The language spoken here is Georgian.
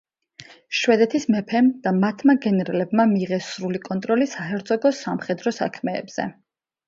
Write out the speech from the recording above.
შვედეთის მეფემ და მათმა გენერლებმა მიიღეს სრული კონტროლი საჰერცოგოს სამხედრო საქმეებზე.